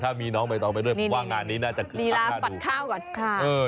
ถ้ามีน้องไปต่อไปด้วยว่างานนี้น่าจะคือฝาดู